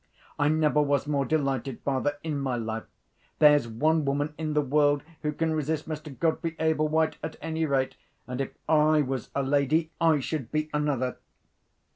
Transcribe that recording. I never was more delighted, father, in my life! There's one woman in the world who can resist Mr. Godfrey Ablewhite, at any rate; and, if I was a lady, I should be another!"